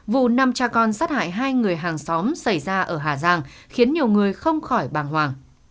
vụ năm cha con sát hại hai người hàng xóm xảy ra ở hà giang khiến nhiều người không khỏi bàng hoàng